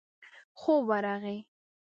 خوب ورغی.